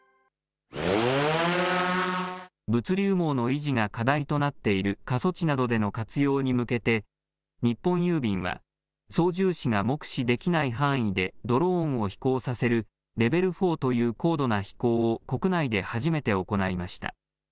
物流網の維持が課題となっている過疎地などでの活用に向けて、日本郵便は、操縦士が目視できない範囲でドローンを飛行させる、レベル４という高度な飛行を国内で初めて行いました。